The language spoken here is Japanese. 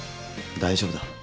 大丈夫だ。